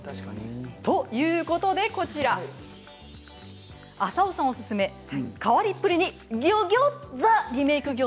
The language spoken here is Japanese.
ということで浅尾さんおすすめ変わりっぷりにギョギョ！